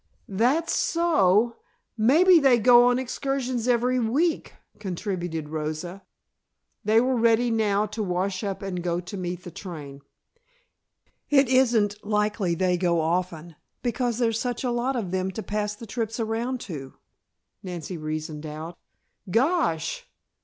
"That's so. Maybe they go on excursions every week," contributed Rosa. They were ready now to wash up and go to meet the train. "It isn't likely they go often, because there's such a lot of them to pass the trips around to," Nancy reasoned out. "Gosh!"